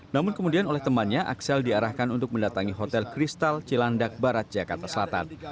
namun kemudian oleh temannya axel diarahkan untuk mendatangi hotel kristal cilandak barat jakarta selatan